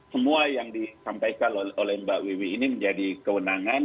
semua yang disampaikan oleh mbak wiwi ini menjadi kewenangan